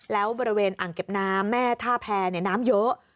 แล้วบริเวณอ่างเก็บน้ำแม่ท่าแพรน้ำเยอะ